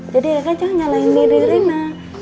jadi rina jangan nyalahin diri rina